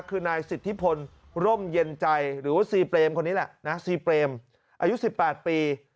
คือนายสิทธิพลร่มเย็นใจหรือว่าซีเปรมคนนี้แหละนะซีเปรมอายุ๑๘ปี